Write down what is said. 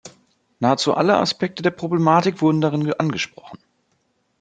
Nahezu alle Aspekte der Problematik wurden darin angesprochen.